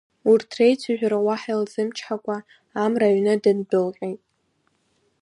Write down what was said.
Урҭ реицәажәара уаҳа илзымчҳакәа, Амра аҩны дындәылҟьеит.